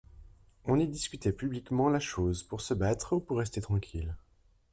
On y discutait publiquement la chose pour se battre ou pour rester tranquille.